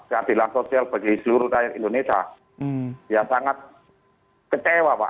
keadilan sosial bagi seluruh rakyat indonesia ya sangat kecewa pak